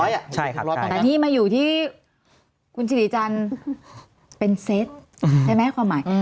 หลังจากนี้มาอยู่ที่คุณชิริจันเป็นเซ็ตใช่ไหมความหมาย